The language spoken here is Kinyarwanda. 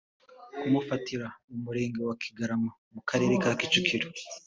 tumufatira mu Murenge wa Kigarama mu Karere ka Kicukiro